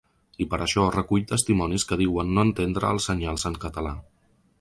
I per això recull testimonis que diuen no entendre els senyals en català.